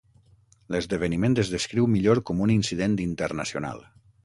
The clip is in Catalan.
L'esdeveniment es descriu millor com un incident internacional.